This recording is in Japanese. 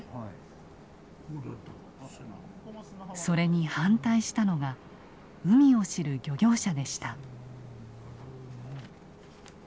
それに反対したのが海を知る漁業者でした。